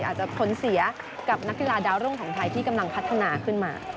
อาจจะผลเสียกับนักกีฬาดาวรุ่งของไทยที่กำลังพัฒนาขึ้นมา